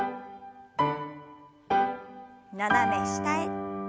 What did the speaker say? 斜め下へ。